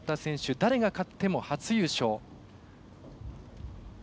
誰が勝っても初優勝。